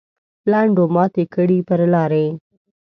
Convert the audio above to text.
لنډو ماتې کړې پر لارې.